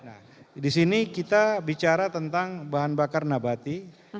nah disini kita bicara tentang bahan bakar nabati